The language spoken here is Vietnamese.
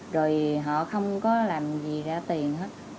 rồi họ không có làm gì ra tiền hết